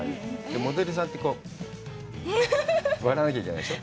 モデルさんって、笑わなきゃいけないでしょう。